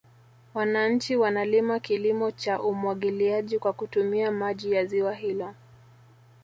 Wananchi wanalima kilimo cha umwagiliaji kwa kutumia maji ya ziwa hilo